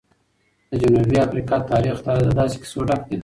د جنوبي افریقا تاریخ له داسې کیسو ډک دی.